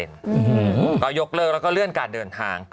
ก็ยกเลิกแล้วก็เลื่อนการเดินทาง